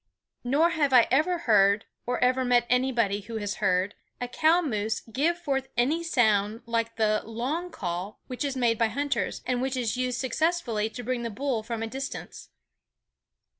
Nor have I ever heard, or ever met anybody who has heard, a cow moose give forth any sound like the "long call" which is made by hunters, and which is used successfully to bring the bull from a distance.